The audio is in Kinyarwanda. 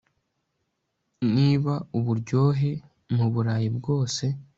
niba uburyohe, mu burayi bwose